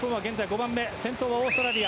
先頭はオーストラリア。